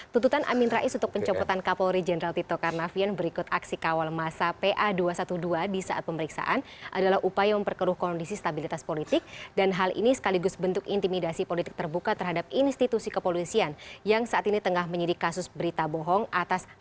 tututan amin rais untuk pencopotan kapolri jenderal tito karnavian berikut aksi kawal masa pa dua ratus dua belas di saat pemeriksaan adalah upaya memperkeruh kondisi stabilitas politik dan hal ini sekaligus bentuk intimidasi politik terbuka terhadap institusi kepolisian yang saat ini tengah menyidik kasus berita bohong